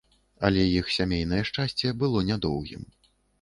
Але іх сямейнае шчасце было нядоўгім.